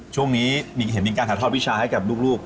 ช่วงนี้เห็นมีการถอดพิชาให้กับลูก